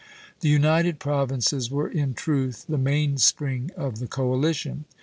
The United Provinces were in truth the mainspring of the coalition.